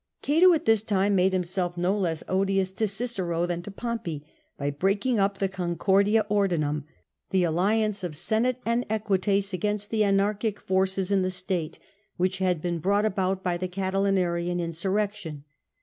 Cato at this time made himself no less odious to Cicero than to Pompey, by breaking up the Concordia Ordinum, — the alliance of Senate and Equites against the anarchic forces in the state, — which had been brought about by the Catilinarian insurrection.